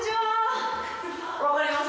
わかります？